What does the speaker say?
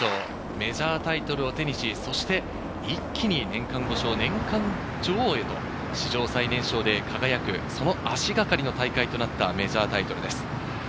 メジャータイトルを手にそして一気に年間女王へと史上最年少で輝く、その足がかりの大会となったメジャータイトルです。